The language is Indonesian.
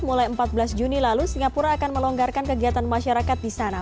mulai empat belas juni lalu singapura akan melonggarkan kegiatan masyarakat di sana